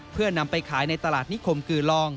เพื่อนำไปขายในตลาดนิคมกือลอง